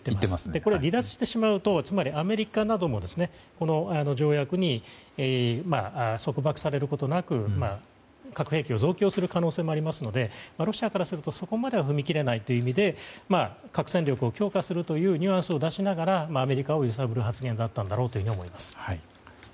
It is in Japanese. これは離脱してしまうとつまりアメリカなどもこの条約に束縛されることなく核兵器を増強する可能性もありますのでロシアからすると、そこまでは踏み切れないという意味で核戦力を強化するというニュアンスを出しながらアメリカを揺さぶる発言だったんだろうと思います。